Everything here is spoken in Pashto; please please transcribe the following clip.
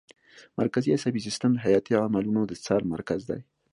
مرکزي عصبي سیستم د حیاتي عملونو د څار مرکز دی